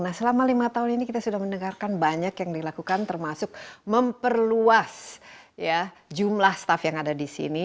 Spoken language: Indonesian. nah selama lima tahun ini kita sudah mendengarkan banyak yang dilakukan termasuk memperluas jumlah staff yang ada di sini